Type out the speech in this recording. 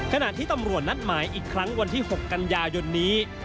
ขณะที่ตำรวจนัดหมายอีกครั้งวันที่๖กันยายนนี้